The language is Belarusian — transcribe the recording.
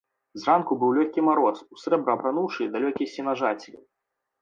Зранку быў лёгкі мароз, у срэбра апрануўшы далёкія сенажаці.